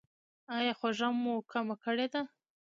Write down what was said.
ایا خوږه مو کمه کړې ده؟